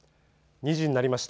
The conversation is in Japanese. ２時になりました。